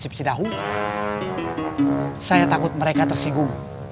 saya takut mereka tersinggung